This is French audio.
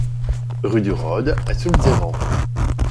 Rue du Rod à Soultzeren